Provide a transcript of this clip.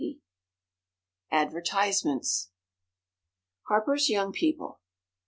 N. Dodd. ADVERTISEMENTS. HARPER'S YOUNG PEOPLE.